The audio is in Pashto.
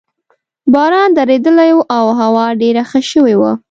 باران درېدلی وو او هوا ډېره ښه شوې وه.